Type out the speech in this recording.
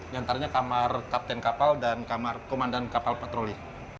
diantaranya kamar kapten kapal dan kamar komandan kapal patroli